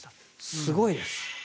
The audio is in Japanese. すごいです。